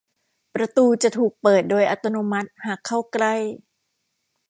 ประตูจะถูกเปิดโดยอัตโนมัติหากเข้าใกล้